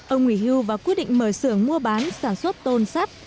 ông nghỉ hưu và quyết định mở xưởng mua bán sản xuất tôn sắt